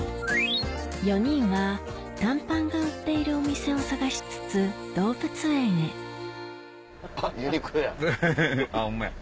４人は短パンが売っているお店を探しつつ動物園へあっユニクロや。